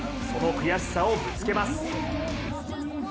その悔しさをぶつけます。